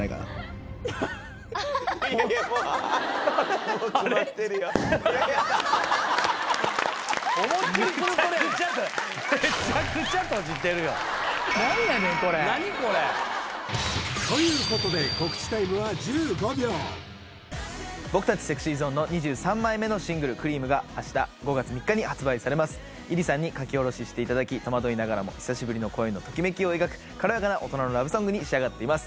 いやもうもうつぶってるよということで告知タイムは１５秒僕たちＳｅｘｙＺｏｎｅの２３枚目のシングル「Ｃｒｅａｍ」が明日５月３日に発売されますｉｒｉさんに書き下ろししていただき戸惑いながらも久しぶりの恋のときめきを描く軽やかな大人のラブソングに仕上がっています